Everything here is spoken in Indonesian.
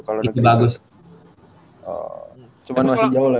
cuman masih jauh lah